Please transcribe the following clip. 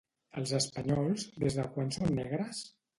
Els espanyols, des de quan són negres?